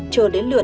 chờ đến lượt vào